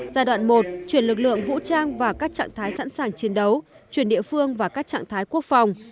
giai đoạn một chuyển lực lượng vũ trang và các trạng thái sẵn sàng chiến đấu chuyển địa phương vào các trạng thái quốc phòng